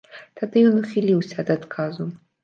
Тады ён ухіліўся ад адказу.